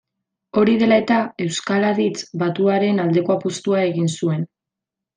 Hori dela eta, euskal aditz batuaren aldeko apustua egin zuen.